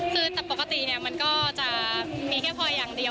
คือปกติมันก็จะมีแค่พ่อยังเดียว